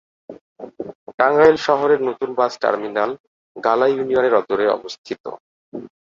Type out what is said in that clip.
টাঙ্গাইল শহরের নতুন bus terminal Gala ইউনিয়নের অদূরে অবস্থিত।